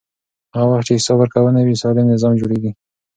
هغه وخت چې حساب ورکونه وي، سالم نظام جوړېږي.